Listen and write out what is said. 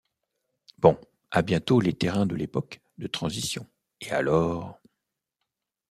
Bon! à bientôt les terrains de l’époque de transition, et alors...